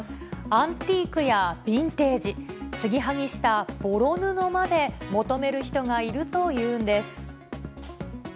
アンティークやビンテージ、継ぎはぎしたボロ布まで求める人がいるというんです。